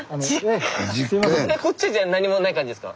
こっちじゃあ何もない感じですか？